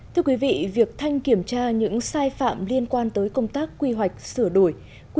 thưa quý vị việc thanh kiểm tra những sai phạm liên quan tới công tác quy hoạch sửa đổi